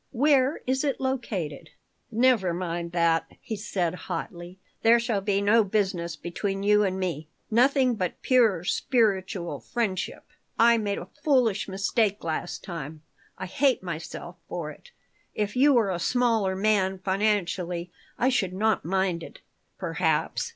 "Where is it located?" "Never mind that," he said, hotly. "There shall be no business between you and me. Nothing but pure spiritual friendship. I made a foolish mistake last time. I hate myself for it. If you were a smaller man financially I should not mind it, perhaps.